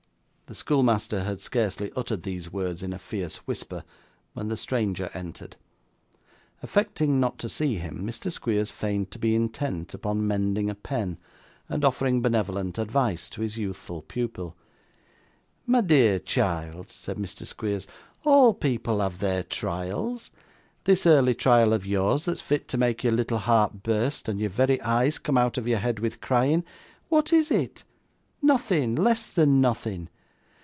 The schoolmaster had scarcely uttered these words in a fierce whisper, when the stranger entered. Affecting not to see him, Mr. Squeers feigned to be intent upon mending a pen, and offering benevolent advice to his youthful pupil. 'My dear child,' said Mr. Squeers, 'all people have their trials. This early trial of yours that is fit to make your little heart burst, and your very eyes come out of your head with crying, what is it? Nothing; less than nothing.